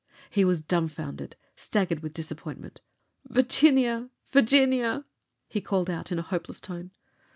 He was dumbfounded, staggered with disappointment. "Virginia! Virginia!" he called out, in a hopeless tone.